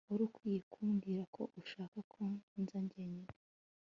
wari ukwiye kumbwira ko ushaka ko nza jyenyine